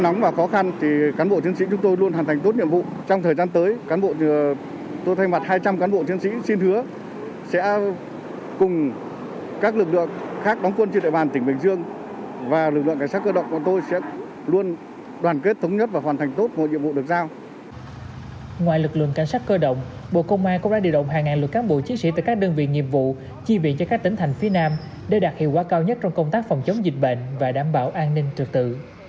ngoài lực lượng cảnh sát cơ động bộ công an cũng đã điều động hàng ngàn lực cán bộ chiến sĩ từ các đơn viện nhiệm vụ chi viện cho các tỉnh thành phía nam để đạt hiệu quả cao nhất trong công tác phòng chống dịch bệnh và đảm bảo an ninh trực tự